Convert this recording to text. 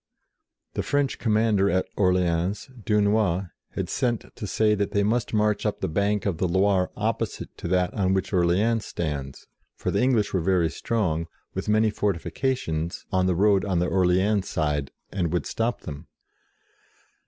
The French Commander at Orleans, Dunois, had sent to say that they must march up the bank of the Loire opposite to that on which Orleans stands, for the English were very strong, with many forti 35 36 JOAN OF ARC fications, on the road on the Orleans side, and would stop them.